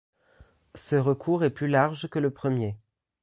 Ce recours est plus large que le premier.